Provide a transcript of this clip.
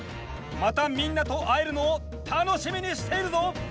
またみんなと会えるのを楽しみにしているぞ！